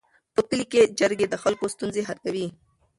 په کلي کې جرګې د خلکو ستونزې حل کوي.